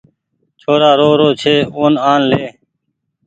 ڇورآن رو رو ڇي اون آن لي